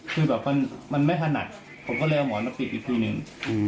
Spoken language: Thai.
คือแบบมันไม่ถนัดผมก็เลยเอาหมอนมาปิดอีกทีหนึ่ง